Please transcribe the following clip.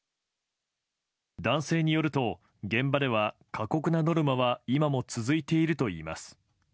男性によると、現場では過酷なノルマは今も続いているといいます。